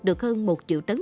được hơn một triệu tấn